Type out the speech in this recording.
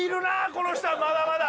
この人はまだまだ。